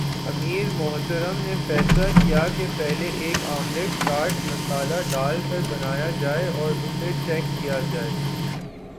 امیر محترم نے فیصلہ کیا کہ پہلے ایک آملیٹ چاٹ مصالحہ ڈال کر بنایا جائے اور اسے چیک کیا جائے